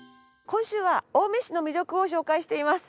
今週は青梅市の魅力を紹介しています。